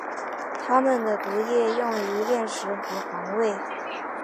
它们的毒液用于猎食或防卫。